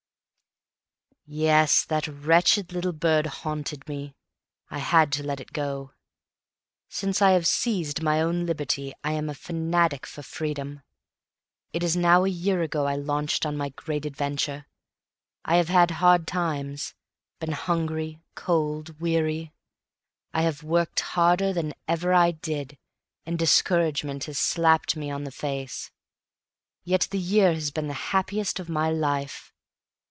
Yes, that wretched little bird haunted me. I had to let it go. Since I have seized my own liberty I am a fanatic for freedom. It is now a year ago I launched on my great adventure. I have had hard times, been hungry, cold, weary. I have worked harder than ever I did and discouragement has slapped me on the face. Yet the year has been the happiest of my life.